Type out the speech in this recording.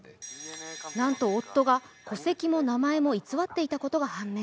なんと夫が、戸籍も名前も偽っていたことが判明。